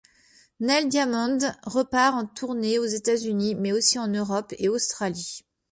Neil Diamond repart en tournée aux États-Unis mais aussi en Europe et Australie.